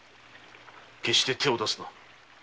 決して手を出すな。